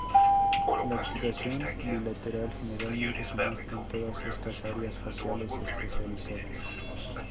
La activación bilateral generalmente se muestra en todas estas áreas faciales especializadas.